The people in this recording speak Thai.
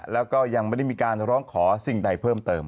แล้วก็ยังไม่ได้มีการร้องขอสิ่งใดเพิ่มเติม